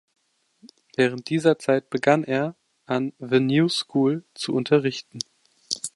Während dieser Zeit begann er, an The New School zu unterrichten.